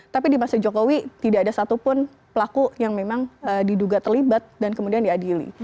tapi di masa jokowi tidak ada satupun pelaku yang memang diduga terlibat dan kemudian diadili